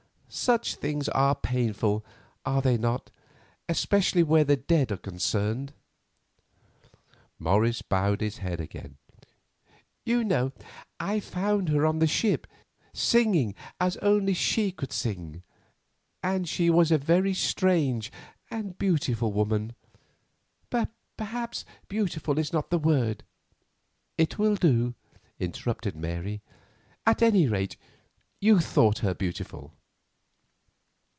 Such things are painful, are they not—especially where the dead are concerned?" Morris bowed his head and began: "You know I found her on the ship, singing as she only could sing, and she was a very strange and beautiful woman—perhaps beautiful is not the word—" "It will do," interrupted Mary; "at any rate, you thought her beautiful."